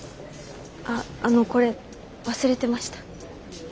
ああのこれ忘れてました。